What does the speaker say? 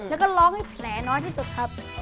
แล้วก็ร้องให้แผลน้อยที่สุดครับ